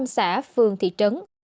một mươi bốn trăm linh xã phường thị trấn